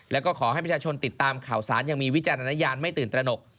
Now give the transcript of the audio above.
แล้วก็ขอให้ประชาชนติดตามข่าวสารยังมีวิจารณญาณไม่ตื่นตระหนก